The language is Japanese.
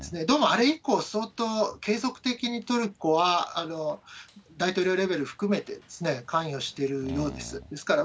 どうもあれ以降、相当、継続的にトルコは、大統領レベル含めて関与しているようです。